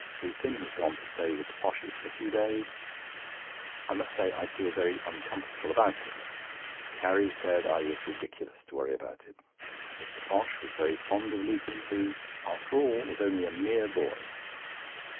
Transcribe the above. Lupin has gone to stay with the Poshs for a few days. I must say I feel very uncomfortable about it. Carrie said I was ridiculous to worry about it. Mr. Posh was very fond of Lupin, who, after all, was only a mere boy.